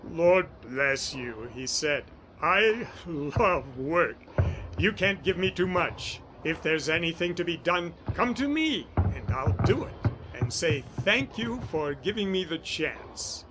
"Lord bless you," he said, "I love work. You can't give me too much. If there's anything to be done, come to me and I'll do it, and say thank you for giving me the chance."